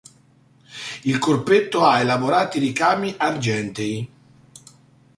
Il corpetto ha elaborati ricami argentei.